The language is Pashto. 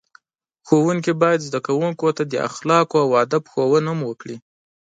ښوونکي باید زده کوونکو ته د اخلاقو او ادب ښوونه هم وکړي.